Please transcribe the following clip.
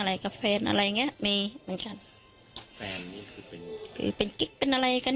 อะไรกับแฟนอะไรอย่างเงี้ยมีเหมือนกันแฟนนี่คือเป็นเป็นกิ๊กเป็นอะไรกัน